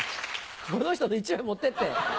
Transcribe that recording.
この人の１枚持ってって。